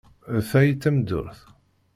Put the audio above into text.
D ta ay d tameddurt!